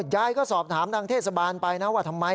ยายก็สอบถามทางเทศบาลไปนะว่าทำไม